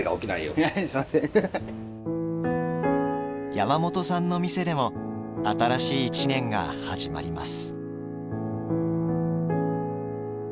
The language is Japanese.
山本さんの店でも新しい１年が始まります。